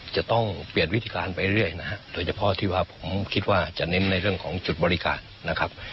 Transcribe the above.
จะต้องเปลี่ยนวิธีการไปเรื่อยนะฮะโดยเฉพาะที่ว่าผมคิดว่าจะเน้นในเรื่องของจุดบริการนะครับ